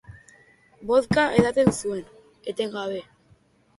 Vodka edaten zuen, etengabe.